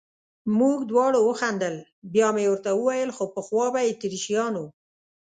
موږ دواړو وخندل، بیا مې ورته وویل: خو پخوا به اتریشیانو.